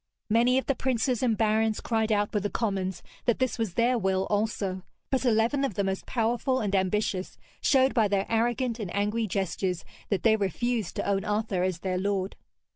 Many of the princes and barons cried out with the commons that this was their will also; but eleven of the most powerful and ambitious showed by their arrogant and angry gestures that they refused to own Arthur as their lord.